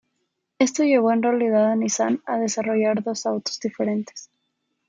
Esto llevó en realidad a Nissan a desarrollar dos autos diferentes.